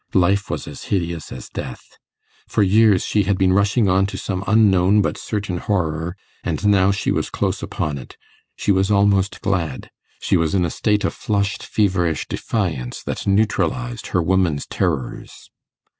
Life was as hideous as death. For years she had been rushing on to some unknown but certain horror; and now she was close upon it. She was almost glad. She was in a state of flushed feverish defiance that neutralized her woman's terrors.